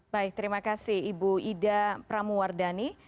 baik terima kasih ibu ida pramuwardani